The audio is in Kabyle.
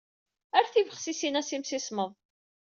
Err tibexsisin-a s imsismeḍ.